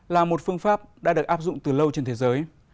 là một phương pháp đã được áp dụng từ lâu trên thế giới